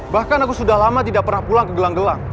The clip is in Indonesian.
bahkan aku sudah lama tidak pernah pulang ke gelang gelang